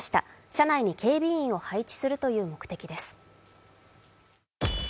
車内に警備員を配置するという目的です。